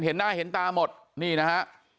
เห็นหน้าเห็นตาหมดนี่นะฮะ